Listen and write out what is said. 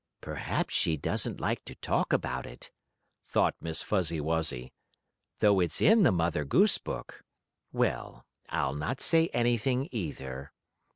"Perhaps she doesn't like to talk about it," thought Miss Fuzzy Wuzzy, "though it's in the Mother Goose book. Well, I'll not say anything, either."